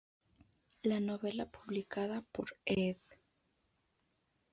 La novela publicada por Ed.